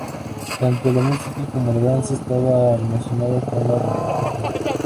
Tanto la música como la danza estaban relacionadas con la religión.